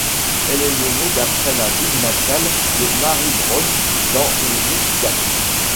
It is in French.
Elle est nommée d'après la ville natale de Mary Brown, dans le Michigan.